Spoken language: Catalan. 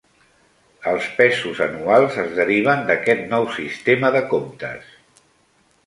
Els pesos anuals es deriven d'aquest nou sistema de comptes.